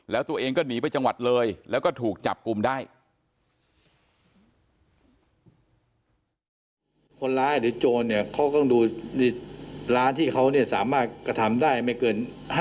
แล้วตัวเองก็หนีไปจังหวัดเลยแล้วก็ถูกจับกลุ่มได้ไม่เกิน